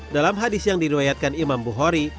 dalam hadis yang diriwayatkan imam bukhori